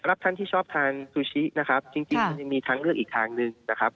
รับท่านที่ชอบทานซูชินะครับจริงมันยังมีทางเลือกอีกทางหนึ่งนะครับ